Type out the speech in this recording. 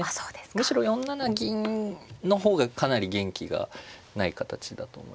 むしろ４七銀の方がかなり元気がない形だと思いますね。